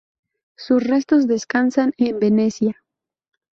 Sus restos descansan en Venecia.